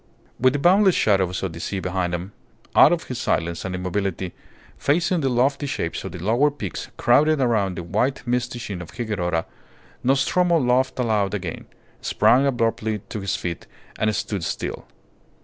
With the boundless shadows of the sea behind him, out of his silence and immobility, facing the lofty shapes of the lower peaks crowded around the white, misty sheen of Higuerota, Nostromo laughed aloud again, sprang abruptly to his feet, and stood still.